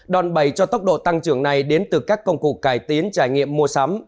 đòn bầy cho tốc độ tăng trưởng này đến từ các công cụ cải tiến trải nghiệm mua sắm